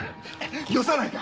よさないか！